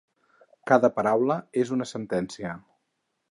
Cada paraula és una sentència.